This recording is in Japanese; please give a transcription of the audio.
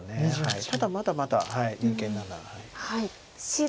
ただまだまだ逃げながら。